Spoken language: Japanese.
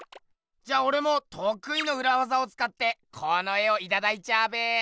じゃあおれもとくいのうらわざをつかってこの絵をいただいちゃうべ！